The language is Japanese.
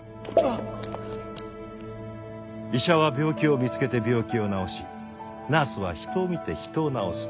医者は病気を見つけて病気を治しナースは人を見て人を治す。